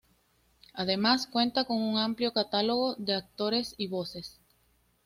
Además cuenta con un amplio catálogo de actores y voces.